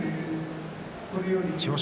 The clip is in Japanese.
千代翔